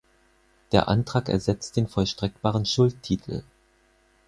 Der Antrag ersetzt den vollstreckbaren Schuldtitel.